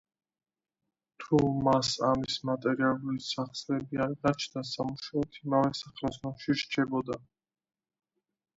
თუ მას ამის მატერიალური სახსარი არ გააჩნდა სამუშაოდ იმავე სახელოსნოში რჩებოდა.